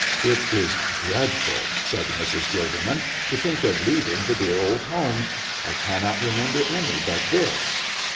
"It is dreadful," said Mrs. Gilderman, "to think of leaving the dear old home. I cannot remember any but this.